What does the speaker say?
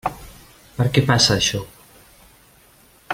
Per què passa, això?